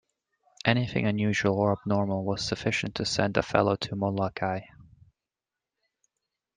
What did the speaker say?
Anything unusual or abnormal was sufficient to send a fellow to Molokai.